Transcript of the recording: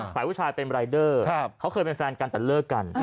ฝ่ายผู้ชายเป็นรายเดอร์เขาเคยเป็นแฟนกันแต่เลิกกัน